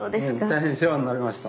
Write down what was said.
大変世話になりました。